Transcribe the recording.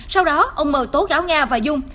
sau đó ông m tố gáo nga và dung